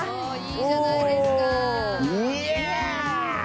いいじゃないですか。